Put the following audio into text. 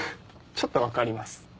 ちょっと分かります。